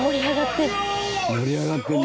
盛り上がってる。